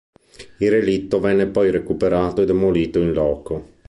Il relitto venne poi recuperato e demolito in loco.